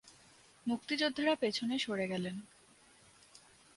মুক্তিযোদ্ধারা পেছনে সরে গেলেন।